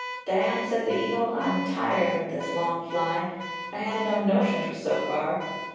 "'Dan,' said the eagle, 'I'm tired with this long fly; I had no notion 'twas so far.'